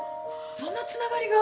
そんなつながりが。